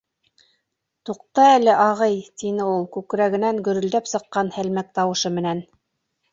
Туҡта әле, ағый, - тине ул күкрәгенән гөрөлдәп сыҡҡан һәлмәк тауышы менән.